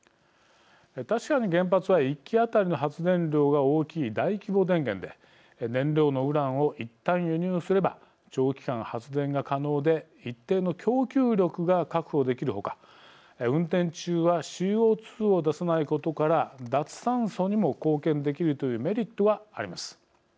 確かに原発は１基当たりの発電量が大きい大規模電源で燃料のウランをいったん輸入すれば長期間発電が可能で一定の供給力が確保できる他運転中はＣＯ２を出さないことから脱炭素にも貢献できるというメリットはあります。